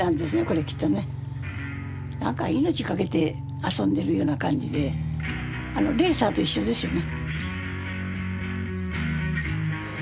何か命かけて遊んでるような感じでレーサーと一緒ですよね。